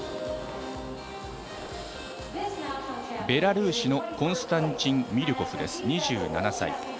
ベラルーシのコンスタンチン・ミリュコフ２７歳。